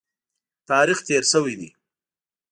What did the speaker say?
تاریخ تېر شوی دی.